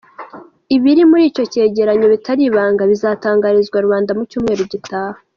Ibiri muri icyo cyegeranyo bitari ibanga bizatangarizwa rubanda mu cyumweru gitaha.